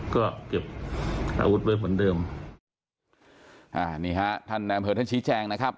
ก็เก็บอาวุธไว้เหมือนเดิมอ่านี่ฮะท่านในอำเภอท่านชี้แจงนะครับ